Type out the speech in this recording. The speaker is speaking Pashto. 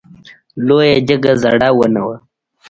لویه جګه زړه ونه وه .